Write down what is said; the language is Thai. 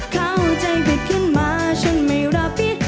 เข้าใจผิดขึ้นมาฉันไม่รับผิด